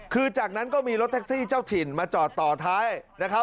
คือจากนั้นก็มีรถแท็กซี่เจ้าถิ่นมาจอดต่อท้ายนะครับ